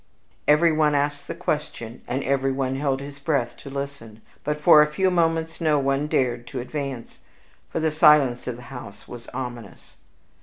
Everyone asked the question, and everyone held his breath to listen; but for a few moments no one dared to advance; for the silence of the house was ominous.